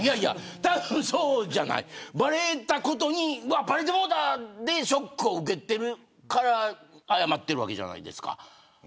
たぶん、そうじゃないばれたことにばれてもうたでショックを受けているから謝ってるわけじゃないですか。